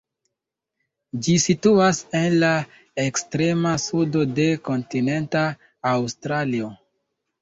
Ĝi situas en la ekstrema sudo de kontinenta Aŭstralio.